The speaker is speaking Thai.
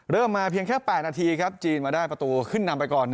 มาเพียงแค่๘นาทีครับจีนมาได้ประตูขึ้นนำไปก่อน